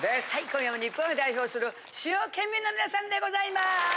今夜も日本を代表する主要県民の皆さんでございます！